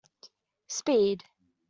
Speed.